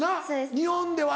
日本では？